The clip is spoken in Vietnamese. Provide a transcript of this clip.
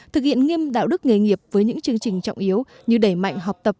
thực hiện nghiêm đạo đức nghề nghiệp với những chương trình trọng yếu như đẩy mạnh học tập